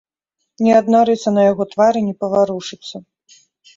Ні адна рыса на яго твары не паварушыцца.